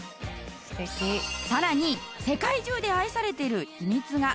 さらに世界中で愛されている秘密が。